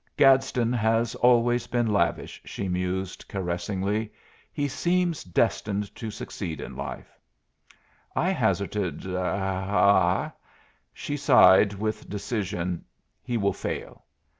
"Gadsden has always been lavish," she mused, caressingly. "He seems destined to succeed in life," I hazarded. "ah n a!" she sighed, with decision. "He will fail."